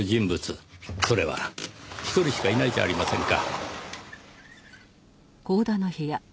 それは１人しかいないじゃありませんか。